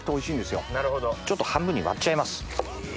ちょっと半分に割っちゃいます。